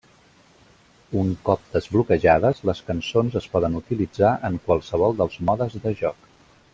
Un cop desbloquejades, les cançons es poden utilitzar en qualsevol dels modes de joc.